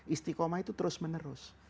istikomah itu terus menerus